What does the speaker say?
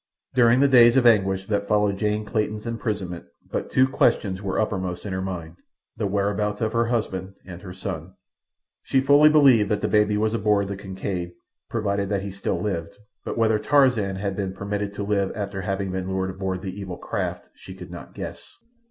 During the days of anguish that followed Jane Clayton's imprisonment, but two questions were uppermost in her mind—the whereabouts of her husband and her son. She fully believed that the baby was aboard the Kincaid, provided that he still lived, but whether Tarzan had been permitted to live after having been lured aboard the evil craft she could not guess.